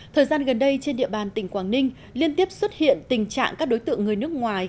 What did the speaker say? thời gian gần đây trên địa bàn tỉnh quảng ninh liên tiếp xuất hiện tình trạng các đối tượng người nước ngoài